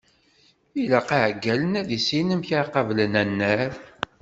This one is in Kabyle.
Ilaq iɛeggalen ad issinen amek ara qablen annar.